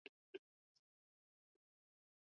Pesa iliisha